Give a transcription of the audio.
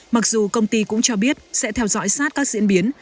mặc dù công ty cũng cho biết sẽ theo dõi sát các diễn biến